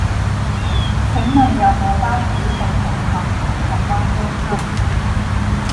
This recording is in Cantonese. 請問有無巴士去紅磡紅磡灣中心